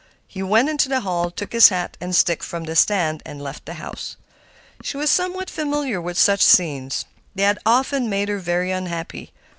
He went into the hall, took his hat and stick from the stand, and left the house. She was somewhat familiar with such scenes. They had often made her very unhappy.